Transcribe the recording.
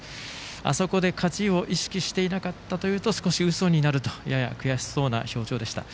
あそこで勝ちを意識していなかったというとうそになるとやや悔しそうな表情でした。